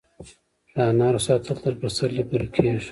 د انارو ساتل تر پسرلي پورې کیږي؟